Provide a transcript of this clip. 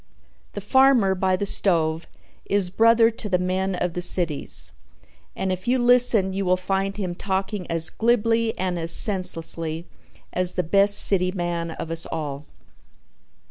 The farmer by the stove is brother to the men of the cities, and if you listen you will find him talking as glibly and as senselessly as the best city man of us all.